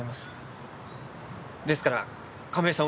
ですから亀井さん